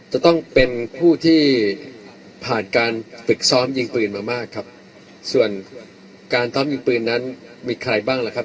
จะต้องเป็นผู้ที่ผ่านการฝึกซ้อมยิงปืนมามากครับส่วนการซ้อมยิงปืนนั้นมีใครบ้างล่ะครับ